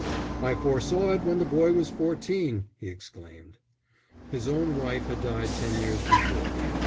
"I foresaw it when the boy was fourteen," he exclaimed. His own wife had died ten years before.